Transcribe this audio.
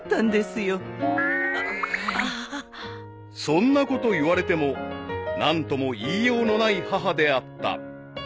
［そんなこと言われても何とも言いようのない母であった］